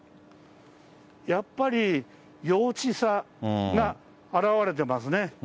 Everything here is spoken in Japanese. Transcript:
やっぱり幼稚さが表れてますね。